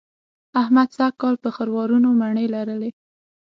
احمد سږ کال په خروارونو مڼې لرلې.